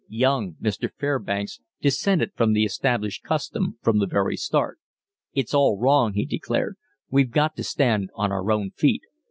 Young Mr. Fairbanks dissented from the established custom from the very start. "It's all wrong," he declared. "We've got to stand on our own feet.